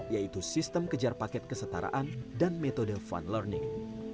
yaitu sistem kejar paket kesetaraan dan metode fun learning